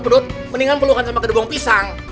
mendingan pelukan sama kedua bong pisang